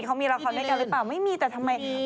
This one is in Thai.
เขามีละครด้วยกันหรือเปล่าไม่มีแต่ทำไม